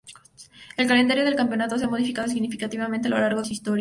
El calendario del campeonato se ha modificado significativamente a lo largo de su historia.